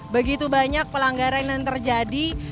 begitu banyak pelanggaran yang terjadi